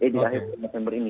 di akhir oktober ini